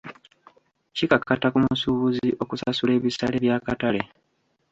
Kikakata ku musuubuzi okusasula ebisale by'akatale.